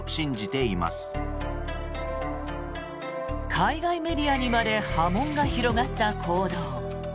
海外メディアにまで波紋が広がった行動。